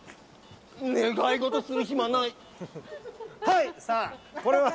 願い事する暇ない。